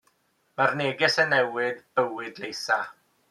Mae'r neges yn newid bywyd Leusa.